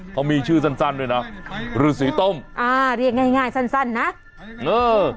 เขามีชื่อสั้นด้วยนะฤษีต้มอ่าเรียกง่ายสั้นนะเออ